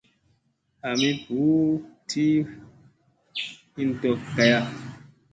A mi buu ti, hin hot gaya.